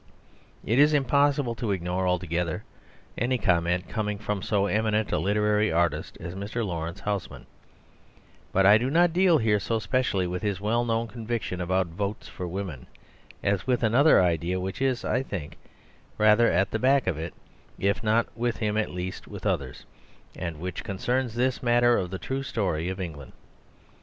It is impossible to ignore altogether any comment coming from so eminent a literary artist as Mr. Laurence Housman, but I do not deal here so specially with his well known conviction about Votes for Women, as with another idea which is, I think, rather at the back of it, if not with him at least with others; and which concerns this matter of the true story of England.